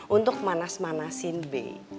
untuk manas manasin be